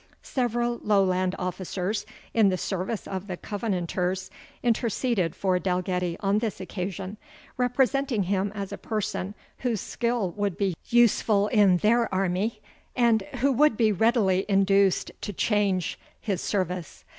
Several Lowland officers, in the service of the Covenanters, interceded for Dalgetty on this occasion, representing him as a person whose skill would be useful in their army, and who would be readily induced to change his service.